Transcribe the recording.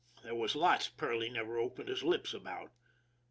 There was lots Perley never opened his lips about.